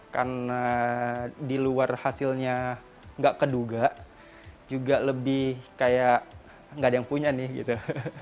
karena di luar hasilnya nggak keduga juga lebih kayak nggak ada yang punya nih gitu